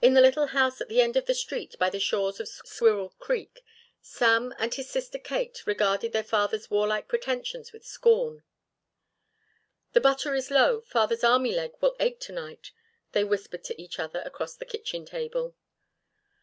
In the little house at the end of the street by the shores of Squirrel Creek, Sam and his sister Kate regarded their father's warlike pretensions with scorn. "The butter is low, father's army leg will ache to night," they whispered to each other across the kitchen table.